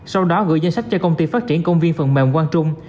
sau đó gửi danh sách cho công ty phát triển công viên phần mềm quang trung